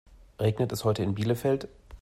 Regnet es heute in Bielefeld?